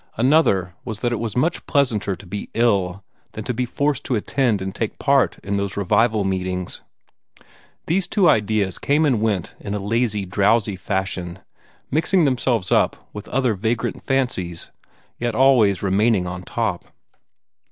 Another was that it was much pleasanter to be ill than to be forced to attend and take part in those revival meetings. These two ideas came and went in a lazy, drowsy fashion, mixing themselves up with other vagrant fancies, yet always remaining on top.